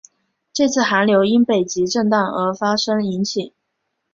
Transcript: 这次寒流因北极震荡发生而引起。